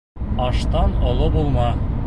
Аштан оло булма.